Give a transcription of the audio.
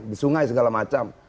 di sungai segala macam